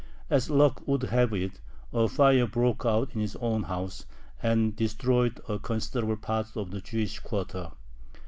As luck would have it, a fire broke out in his own house, and destroyed a considerable part of the Jewish quarter.